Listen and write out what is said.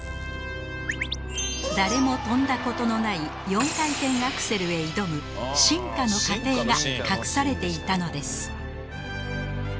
誰も跳んだ事のない４回転アクセルへ挑む進化の過程が隠されていたのです